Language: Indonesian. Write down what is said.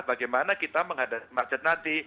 bagaimana kita menghadapi macet nanti